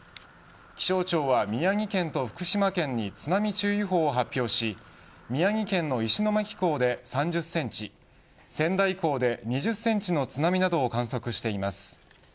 気象庁は、宮城県と福島県に津波注意報を発表し宮城県の石巻港で３０センチ仙台港で２０センチの津波などを観測しています。